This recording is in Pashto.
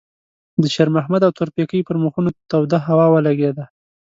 د شېرمحمد او تورپيکۍ پر مخونو توده هوا ولګېده.